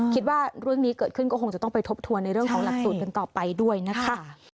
คิดว่าเรื่องนี้เกิดขึ้นก็คงจะต้องไปทบทวนในเรื่องของหลักสูตรกันต่อไปด้วยนะคะ